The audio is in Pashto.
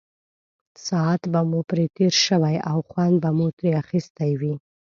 ساعت به مو پرې تېر شوی او خوند به مو ترې اخیستی وي.